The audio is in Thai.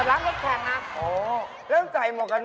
นั่นนวดจับครับ